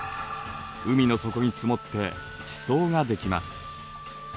海の底に積もって地層ができます。